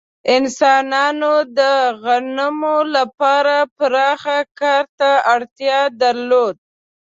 انسانانو د غنمو لپاره پراخ کار ته اړتیا درلوده.